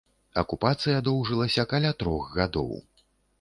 Акупацыя доўжылася каля трох гадоў.